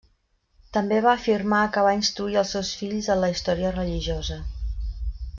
També va afirmar que va instruir els seus fills en la història religiosa.